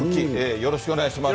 よろしくお願いします。